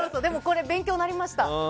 勉強になりました。